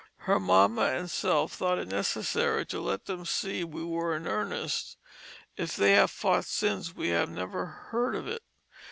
Her Mamma & self thought it necessary to let them see we were in earnest if they have fought since we have never heard of it.